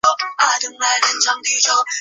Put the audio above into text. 其余两份皆保存至今。